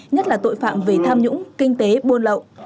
nhất là tội phạm về tham nhũng kinh tế buôn lậu